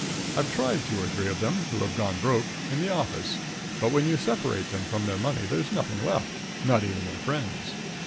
I've tried two or three of them, who had gone broke, in the office, but when you separate them from their money there's nothing left, not even their friends.